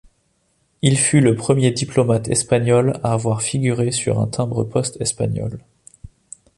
Il fut le premier diplomate espagnol à avoir figuré sur un timbre-poste espagnol.